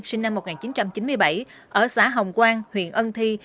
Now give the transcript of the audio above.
sinh năm một nghìn chín trăm chín mươi bảy ở xã hồng quang huyện ân thi